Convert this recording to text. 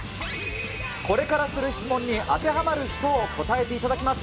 これからする質問に当てはまる人を答えていただきます。